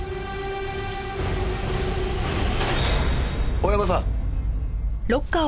大山さん。